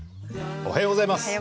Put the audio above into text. おはようございます。